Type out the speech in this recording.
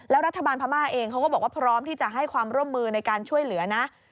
แล้วรัฐบาลพม่าเองเขาก็บอกว่าพร้อมที่จะให้ความร่วมมือในการช่วยเหลือนะ